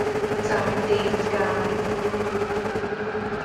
渣甸街